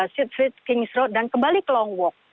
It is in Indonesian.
street kings road dan kembali ke long walk